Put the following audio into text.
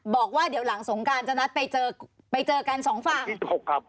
บอกว่าเดี๋ยวหลังสงการจะนัดไปเจอไปเจอกันสองฝั่งครับ